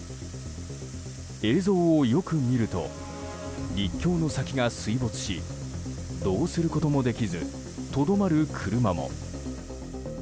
映像をよく見ると陸橋の先が水没しどうすることもできずとどまる車も。